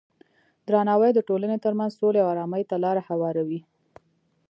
درناوی د ټولنې ترمنځ سولې او ارامۍ ته لاره هواروي.